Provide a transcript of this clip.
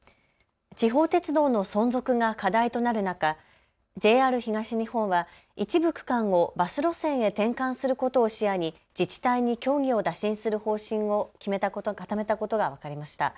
地方鉄道の存続が課題となる中、ＪＲ東日本は一部区間をバス路線へ転換することを視野に自治体に協議を打診する方針を固めたことが分かりました。